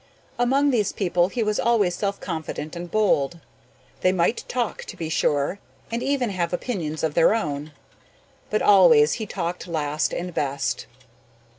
Among these people he was always self confident and bold. They might talk, to be sure, and even have opinions of their own, but always he talked last and best.